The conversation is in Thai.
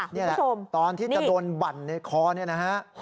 นี่แหละตอนที่จะโดนบั่นในคอเนี่ยนะฮะ